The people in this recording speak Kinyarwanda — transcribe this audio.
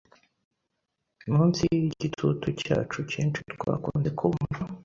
Munsi yigitutu cyacu cyinshi twakunze kumva